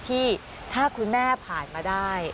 ที่ถ้าคุณแม่ผ่านมาได้